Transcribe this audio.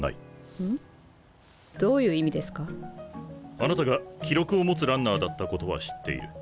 あなたが記録を持つランナーだったことは知っている。